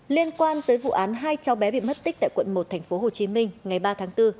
liên quan tới vụ án hai cháu bé bị mất tích tại quận một tp hồ chí minh ngày ba tháng bốn